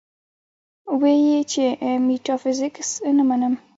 وې ئې چې ميټافزکس نۀ منم -